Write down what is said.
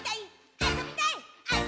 「あそびたいっ！」